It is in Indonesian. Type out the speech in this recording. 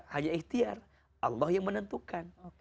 hanya ikhtiar allah yang menentukan